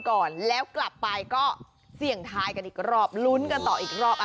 กลับไปก็เสี่ยงทายกันอีกรอบลุ้นกันต่ออีกรอบ